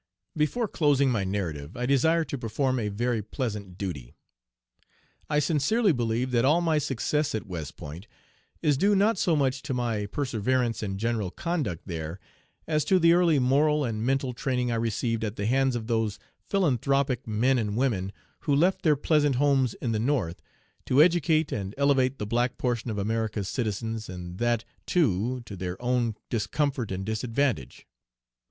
Before closing my narrative I desire to perform a very pleasant duty. I sincerely believe that all my success at West Point is due not so much to my perseverance and general conduct there as to the early moral and mental training I received at the hands of those philanthropic men and women who left their pleasant homes in the North to educate and elevate the black portion of America's citizens, and that, too, to their own discomfort and disadvantage.